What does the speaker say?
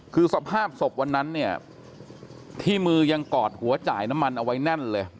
คือสภาพศพวันนั้นเนี่ยที่มือยังกอดหัวจ่ายน้ำมันเอาไว้แน่นเลย